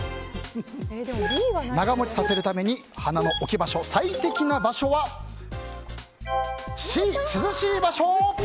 長持ちさせるために花の置き場所最適な場所はＣ、涼しい場所。